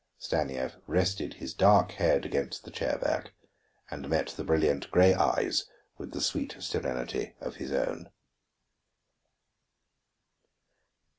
Stanief rested his dark head against the chair back and met the brilliant gray eyes with the sweet serenity of his own.